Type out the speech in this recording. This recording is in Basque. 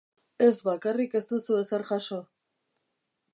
Ez bakarrik ez du ezer jaso...